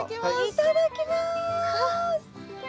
いただきます。